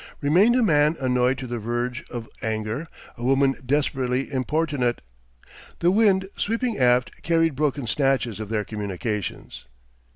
Remained a man annoyed to the verge of anger, a woman desperately importunate. The wind, sweeping aft, carried broken snatches of their communications